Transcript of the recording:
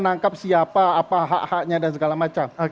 menangkap siapa apa hak haknya dan segala macam